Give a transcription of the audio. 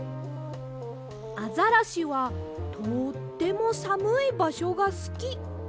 アザラシはとってもさむいばしょがすきとかいてあります。